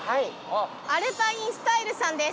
アルパインスタイルさんです！